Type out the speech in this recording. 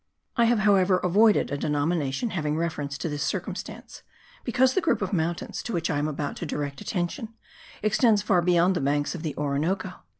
I have, however, avoided a denomination having reference to this circumstance, because the group of mountains to which I am about to direct attention extends far beyond the banks of the Orinoco.